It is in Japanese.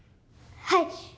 はい！